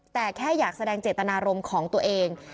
แต่แค่อยากแสดงเจตนารมณ์ของตัวเอง